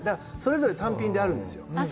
それぞれ単品であるんですよ。